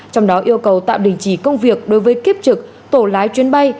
trong đó yêu cầu tạm đình chỉ công việc đối với kiếp trực tổ lái chuyến bay